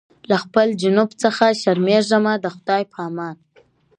له خپل جنون څخه شرمېږمه د خدای په امان